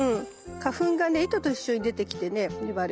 花粉がね糸と一緒に出てきてね粘る。